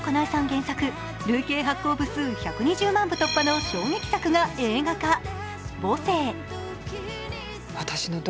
原作累計発行部数１２０万部突破の衝撃作が映画化、「母性」。